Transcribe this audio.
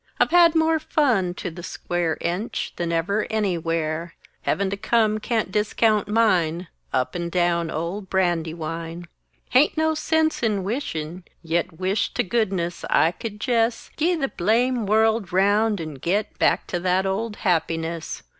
I've had more fun, to the square Inch, than ever _any_where! Heaven to come can't discount mine Up and down old Brandywine! Haint no sense in wishin' yit Wisht to goodness I could jes "Gee" the blame world round and git Back to that old happiness!